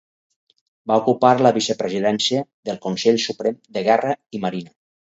Va ocupar la vicepresidència del Consell Suprem de Guerra i Marina.